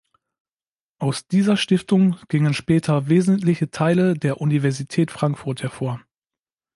Aus dieser Stiftung gingen später wesentliche Teile der Universität Frankfurt hervor.